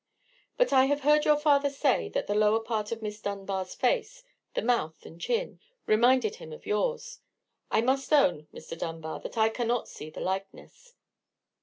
"But I have heard your father say, that the lower part of Miss Dunbar's face—the mouth and chin—reminded him of yours. I must own, Mr. Dunbar, that I cannot see the likeness."